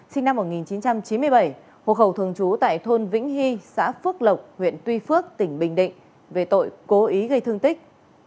sinh năm một nghìn chín trăm chín mươi bảy hộ khẩu thường trú tại thôn vĩnh hy xã phước lộc huyện tuy phước tỉnh bình định về tội cố ý gây thương tích